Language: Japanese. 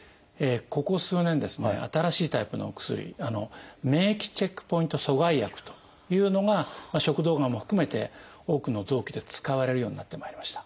ここ数年ですね新しいタイプのお薬「免疫チェックポイント阻害薬」というのが食道がんも含めて多くの臓器で使われるようになってまいりました。